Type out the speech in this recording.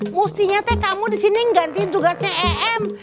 mustinya teh kamu disini nggantiin tugasnya em